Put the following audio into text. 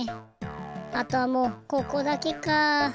あとはもうここだけか。